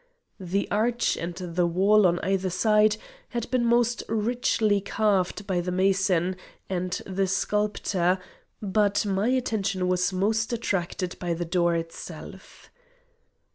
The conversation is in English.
The arch and the wall on either side had been most richly carved by the mason and the sculptor, but my attention was most attracted by the door itself.